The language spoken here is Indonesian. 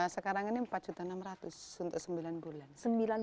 sekarang ini rp empat enam ratus untuk sembilan bulan